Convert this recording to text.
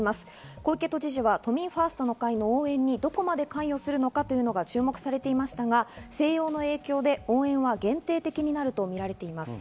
小池都知事は都民ファーストの会の応援にどこまで関与するのか注目されていましたが、静養の影響で応援は限定的になるとみられています。